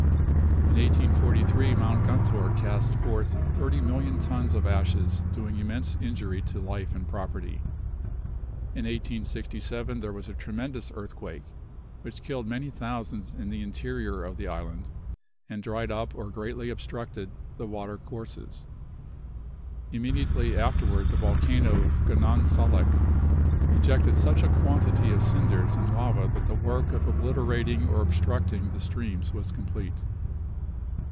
In 1843 Mt. Guntur cast forth 30,000,000 tons of ashes, doing immense injury to life and property. In 1867 there was a tremendous earthquake which killed many thousands in the interior of the island, and dried up or greatly obstructed the water courses. Immediately afterward the volcano of Gunung Salak ejected such a quantity of cinders and lava that the work of obliterating or obstructing the streams was complete.